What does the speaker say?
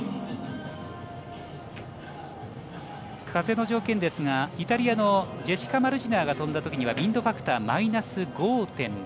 風の条件ですがイタリアのジェシカ・マルジナーが飛んだときにはウインドファクターマイナス５．６。